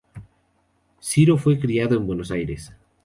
Ciro fue criado en Buenos Aires.